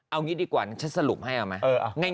เอางี้ดีกว่านี่ฉันสรุปให้เอาไหม